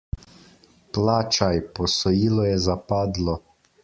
Plačaj, posojilo je zapadlo.